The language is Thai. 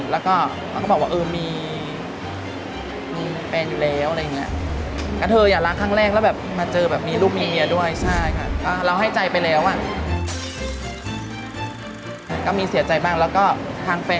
แล้วก็เขาก็บอกว่าเออมีแฟนอยู่แล้วอะไรอย่างนี้